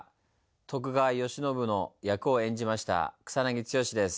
徳川慶喜の役を演じました草剛です。